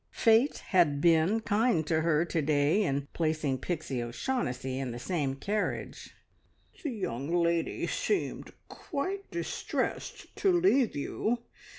Fate had been kind to her to day in placing Pixie O'Shaughnessy in the same carriage. "The young lady seemed quite distressed to leave you.